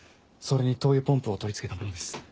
それに灯油ポンプを取り付けたものです。